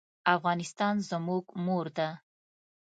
افغانستان زموږ مور ده.